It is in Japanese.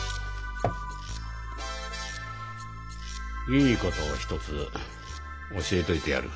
いいことを一つ教えといてやる。